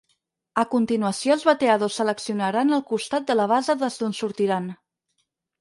A continuació, els bateadors seleccionaran el costat de la base des d'on sortiran.